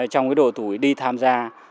trong cái độ tuổi đi tham gia